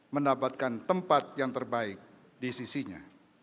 mendapatkan tempat yang terbaik di sisinya